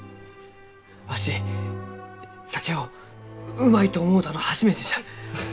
わし酒をうまいと思うたの初めてじゃ！